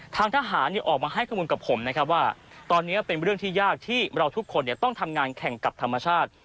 ทางทหารออกมาให้ข้อมูลกับผมนะครับว่าตอนนี้เป็นเรื่องที่ยากที่เราทุกคนต้องทำงานแข่งกับธรรมชาติ